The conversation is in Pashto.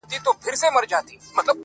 د حق ناره مي کړې ځانته غرغړې لټوم.